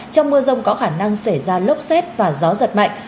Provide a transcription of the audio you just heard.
trong mưa rông có khả năng xảy ra lốc xét và gió giật mạnh